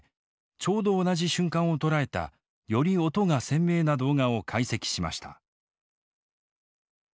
ちょうど同じ瞬間を捉えたより音が鮮明な動画を解析しました。